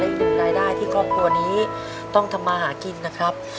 อีกหนึ่งรายได้ที่ครอบครัวนี้ต้องทำมาหากินนะครับ